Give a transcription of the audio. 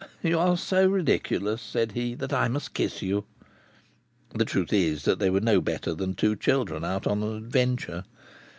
"You are so ridiculous," said he, "that I must kiss you." The truth is that they were no better than two children out on an adventure.